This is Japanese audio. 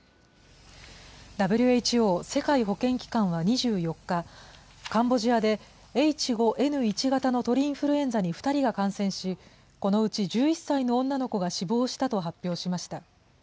ＷＨＯ・世界保健機関は２４日、カンボジアでＨ５Ｎ１型の鳥インフルエンザに２人が感染し、このうち１１歳の女の子が死亡したと発表しました。